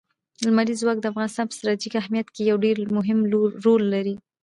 لمریز ځواک د افغانستان په ستراتیژیک اهمیت کې یو ډېر مهم رول لري.